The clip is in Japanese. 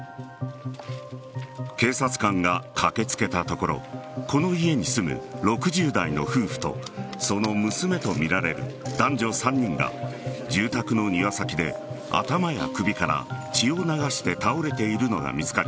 警察官が駆けつけたところこの家に住む６０代の夫婦とその娘とみられる男女３人が住宅の庭先で頭や首から血を流して倒れているのが見つかり